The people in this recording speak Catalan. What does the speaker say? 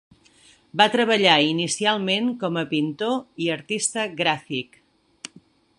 Va treballar inicialment com a pintor i artista gràfic.